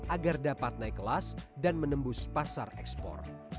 agar dapat naik kelas dan menembus pasar ekspor